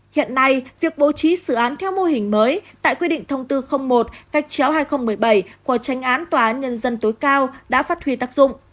hiện nay việc bố trí xử án theo mô hình mới tại quy định thông tư một cách chéo hai nghìn một mươi bảy của tranh án tòa án nhân dân tối cao đã phát huy tác dụng